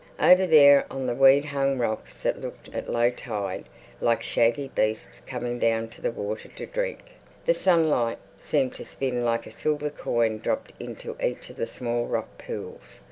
Over there on the weed hung rocks that looked at low tide like shaggy beasts come down to the water to drink, the sunlight seemed to spin like a silver coin dropped into each of the small rock pools.